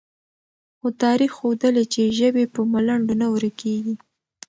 خو تاریخ ښودلې، چې ژبې په ملنډو نه ورکېږي،